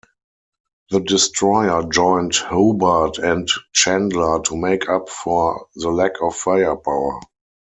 The destroyer joined "Hobart" and "Chandler" to make up for the lack of firepower.